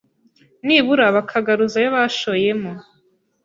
nibura bakagaruza ayo bashoyemo